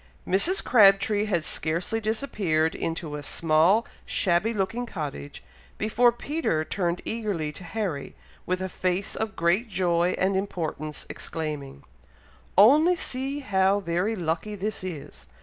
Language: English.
Mrs. Crabtree had scarcely disappeared into a small shabby looking cottage, before Peter turned eagerly to Harry, with a face of great joy and importance, exclaiming, "Only see how very lucky this is!